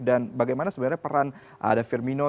dan bagaimana sebenarnya peran ada firmino